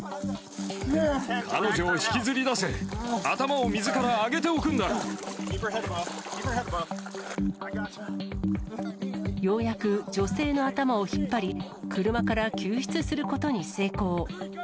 彼女を引きずり出せ、ようやく女性の頭を引っ張り、車から救出することに成功。